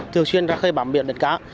thường xuyên ra khơi bảm biển đánh cá